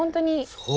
そう？